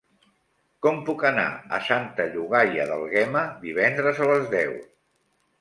Com puc anar a Santa Llogaia d'Àlguema divendres a les deu?